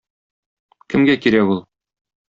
Кемгә кирәк ул?